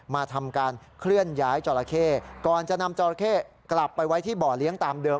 มาทำการเคลื่อนย้ายจอราเข้ก่อนจะนำจราเข้กลับไปไว้ที่บ่อเลี้ยงตามเดิม